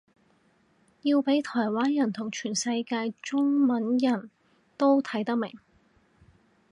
要畀台灣人同全世界中文人都睇得明